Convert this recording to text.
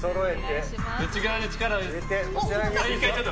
内側に力を入れて。